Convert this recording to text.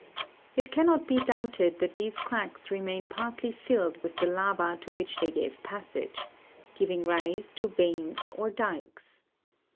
It cannot be doubted that these cracks remain partly filled with the lava to which they gave passage, giving rise to veins, or dykes.